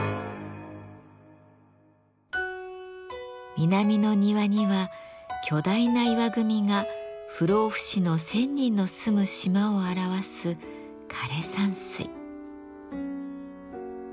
南の庭には巨大な石組が不老不死の仙人の住む島を表す枯山水。